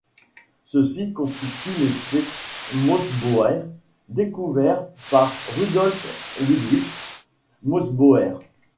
Ceci constitue l'effet Mössbauer, découvert par Rudolf Ludwig Mössbauer.